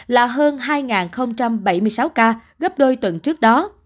là hơn hai bảy mươi sáu ca gấp đôi tuần trước đó